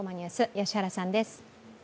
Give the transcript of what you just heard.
良原さんです。